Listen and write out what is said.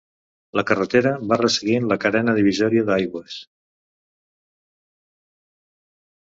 La carretera va resseguint la carena divisòria d'aigües.